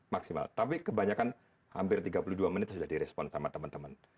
maximal tapi kebanyakan hampir tiga puluh dua menit sudah di respon sama teman teman